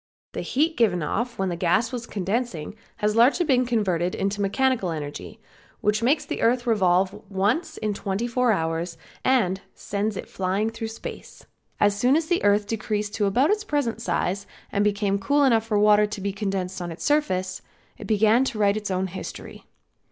The heat given off when the gas was condensing has been largely converted into mechanical energy which makes the earth revolve once in twenty four hours and sends it flying through space. As soon as the earth decreased to about its present size and became cool enough for water to be condensed on its surface, it began to write its own history.